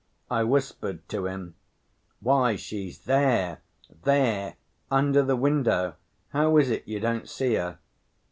I whispered to him, 'Why, she's there, there, under the window; how is it you don't see her?